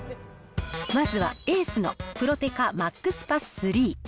まずはエースのプロテカマックスパス３。